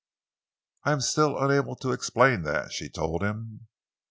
"I am still unable to explain that," she told him.